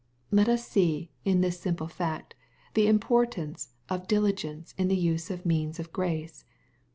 Let us see, in this simple fact, the importance of dili gence in the use of means of grace.